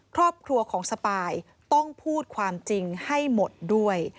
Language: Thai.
ครอบครัวของสปายต้องพูดความจริงให้หมดด้วย